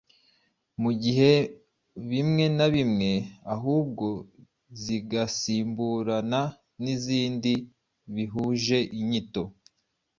mu bihe bimwe na bimwe, ahubwo zigasimburana n’izindi bihuje inyito.